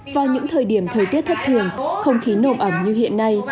vào những thời điểm thời tiết thấp thường không khí nộp ẩm như hiện nay